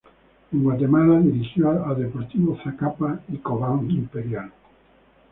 En Guatemala dirigió a Deportivo Zacapa y Cobán Imperial.